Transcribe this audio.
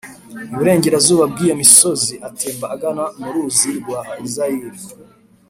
iburengerazuba bw'iyo misozi atemba agana mu ruzi rwa zayire,